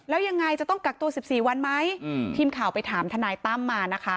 แล้วยังไงจะต้องกักตัว๑๔วันไหมทีมข่าวไปถามทนายตั้มมานะคะ